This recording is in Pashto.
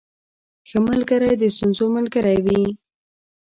• ښه ملګری د ستونزو ملګری وي.